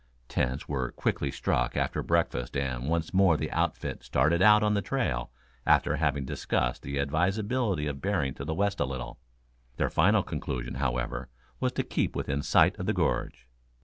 Tents were quickly struck after breakfast and once more the outfit started out on the trail after having discussed the advisability of bearing to the west a little. Their final conclusion, however, was to keep within sight of the gorge.